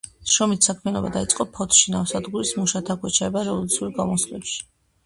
შრომითი საქმიანობა დაიწყო ფოთში, ნავსადგურის მუშად; აქვე ჩაება რევოლუციურ გამოსვლებში.